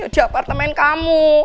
di apartemen kamu